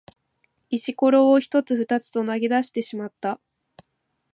石ころを一つ二つと投げ出してしまった。